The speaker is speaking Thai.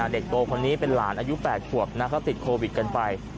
เด็กโตคนนี้เป็นหลานอายุ๘ขวบเขาติดโควิดกันไป